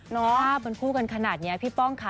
ภาพมันคู่กันขนาดนี้พี่ป้องค่ะ